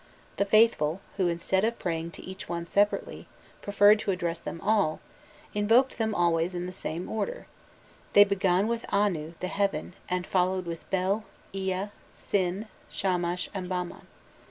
The faithful, who, instead of praying to each one separately, preferred to address them all, invoked them always in the same order: they began with Anu, the heaven, and followed with Bel, Ea, Sin, Shamash, and Bamman.